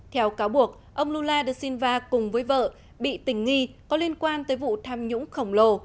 theo cáo buộc ông lula da silva cùng với vợ bị tình nghi có liên quan tới vụ tham nhũng khổng lồ